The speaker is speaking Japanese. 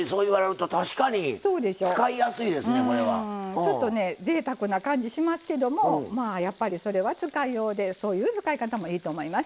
ちょっとねぜいたくな感じしますけどもまあやっぱりそれは使いようでそういう使い方もいいと思います。